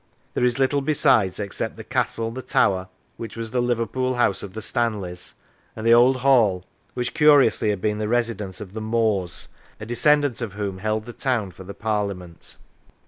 There is little besides, except the Castle, the Tower, which was the Liverpool house of the Stanleys, and the Old Hall, which (curiously) had been the residence of the Moores, a descendant of whom held the town for the Parliament.